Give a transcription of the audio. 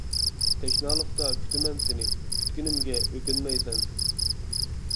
تەشنالىقتا كۈتىمەن سىنى، كۈتكىنىمگە ئۆكۈنمەي سەنسىز.